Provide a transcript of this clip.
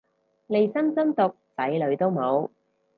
利申真毒仔女都冇